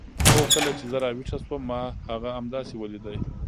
هو کله چې زه راویښه شوم ما هغه همداسې ولید.